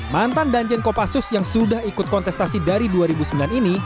mantan danjen kopassus yang sudah ikut kontestasi dari dua ribu sembilan ini